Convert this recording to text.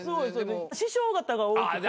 師匠方が多くて。